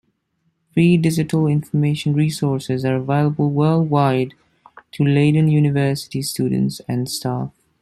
These digital information resources are available worldwide to Leiden University students and staff.